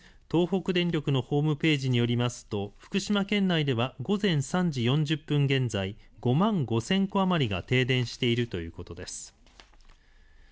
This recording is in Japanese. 東北電力のホームページによりますと福島県内では午前３時４０分現在５万５０００戸余りが停電しているということです。